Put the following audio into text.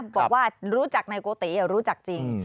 บอกว่ารู้จักนายโกติรู้จักจริง